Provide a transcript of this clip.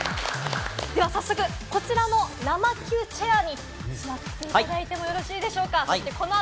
では早速、こちらの生Ｑチェアに座っていただいてもよろしいでしょうか。